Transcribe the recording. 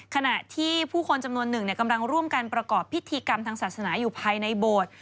ขณะที่ผู้คนจำนวนหนึ่งกำลังร่วมกันประกอบพิธีกรรมทางศาสนาอยู่ภายในโบสถ์